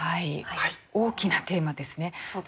大きなテーマですね。